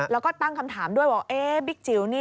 แล้วก็ตั้งคำถามด้วยว่าบิ๊กจิ๊ว